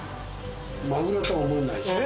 マグロとは思えないでしょ？